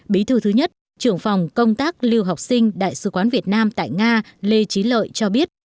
bí thư thứ nhất trưởng phòng công tác lưu học sinh đại sứ quán việt nam tại nga lê trí lợi cho biết